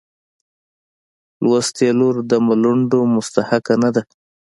لوستې لور د ملنډو مستحقه نه ده.